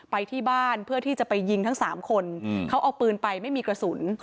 ไปที่บ้านเพื่อที่จะไปยิงทั้งสามคนเขาเอาปืนไปไม่มีกระสุน